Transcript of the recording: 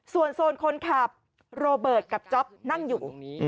ส่วนโซนคนขับโรเบิร์ตกับจ๊อปนั่งอยู่